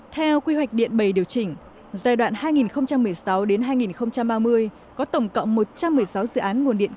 theo quy hoạch điện bày điều chỉnh giai đoạn hai nghìn một mươi sáu hai nghìn ba mươi có tổng cộng một trăm một mươi sáu dự án nguồn điện